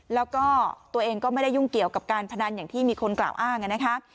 แล้วก็ตัวเองก็ไม่ได้ยุ่งเกี่ยวกับการพนันอย่างที่มีคนกล่าวอ้างนะคะ